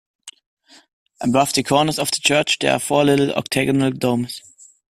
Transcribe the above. Above the corners of the church there are four little octagonal domes.